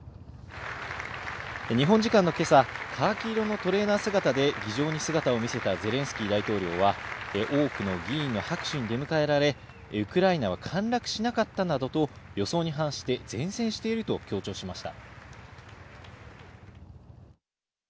日本時間の今朝、カーキ色のトレーナー姿で議場に姿を見せたゼレンスキー大統領は多くの議員の拍手に出迎えられ、ウクライナは陥落しなかったなどと予想に反して善戦していると強調しました。